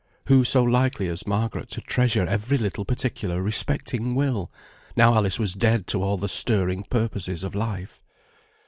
Who so likely as Margaret to treasure every little particular respecting Will, now Alice was dead to all the stirring purposes of life?